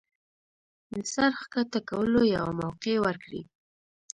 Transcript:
د سر ښکته کولو يوه موقع ورکړي